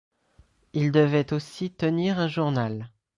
Il devait aussi tenir un journal.